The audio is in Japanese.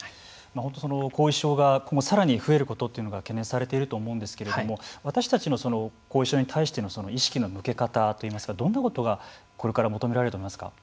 後遺症がさらに増えることというのが懸念されていると思うんですけれども私たちの後遺症に対しての意識の向け方といいますかどんなことがこれから求められると思いますか。